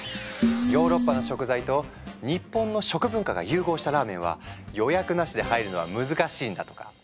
ヨーロッパの食材と日本の食文化が融合したラーメンは予約なしで入るのは難しいんだとか。